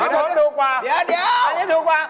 แกงมือถูกสุดแกงมือถูกสุด